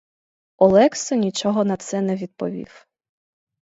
Олекса нічого на це не відповів.